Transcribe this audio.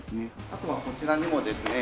あとはこちらにもですね